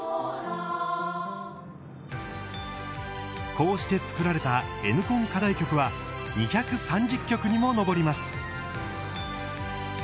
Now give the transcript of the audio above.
こうして作られた Ｎ コン課題曲は２３０曲にも上ります。